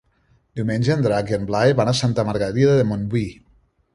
Diumenge en Drac i en Blai van a Santa Margarida de Montbui.